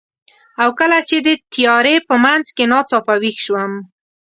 او کله چې د تیارې په منځ کې ناڅاپه ویښ شوم،